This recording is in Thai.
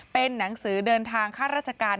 เป็นหนังสือเดินทางค่าราชการ